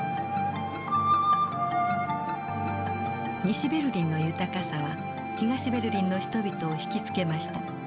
西ベルリンの豊かさは東ベルリンの人々を引き付けました。